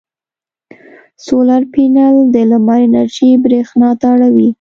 سولر پینل د لمر انرژي برېښنا ته اړوي.